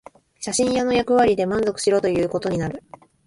写真屋の役割で満足しろということになる